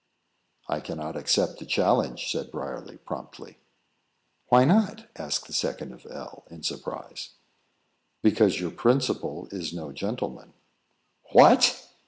"I cannot accept the challenge," said Briarly, promptly. "Why not?" asked the second of L , in surprise. "Because your principal is no gentleman." "What!"